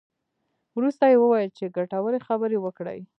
وروسته یې وویل چې ګټورې خبرې وکړې.